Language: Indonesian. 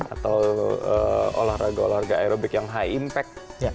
atau olahraga olahraga aerobik yang high impact